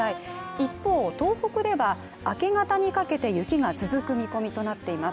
一方、東北では明け方にかけて雪が続く見込みとなっています。